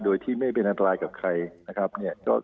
โดยที่ไม่เป็นอันตรายให้ใคร